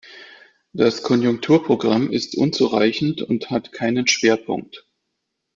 Das Konjunkturprogramm ist unzureichend und hat keinen Schwerpunkt.